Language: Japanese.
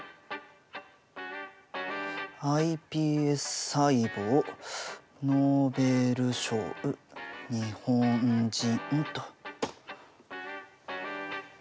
「ｉＰＳ細胞ノーベル賞日本人」と。